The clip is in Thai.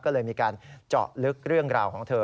ก็เลยมีการเจาะลึกเรื่องราวของเธอ